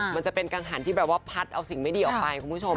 มันจะเป็นกังหันที่แบบว่าพัดเอาสิ่งไม่ดีออกไปคุณผู้ชม